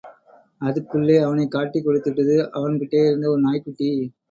அதுக்குள்ளே அவனைக் காட்டிக் கொடுத்திட்டுது அவன் கிட்டேயிருந்த ஒரு நாய்க்குட்டி...!